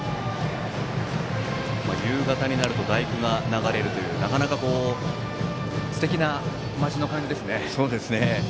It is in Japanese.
夕方になると「第九」が流れるというなかなかすてきな街の感じですね。